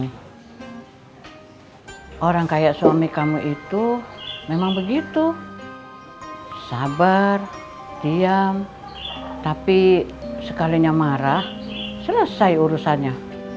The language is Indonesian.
hai orang kayak suami kamu itu memang begitu sabar diam tapi sekalinya marah selesai urusannya